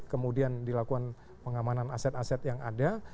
kemudian dilakukan pengamanan aset aset yang ada